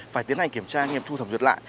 phải tiến hành kiểm tra nghiệm thu thẩm duyệt lại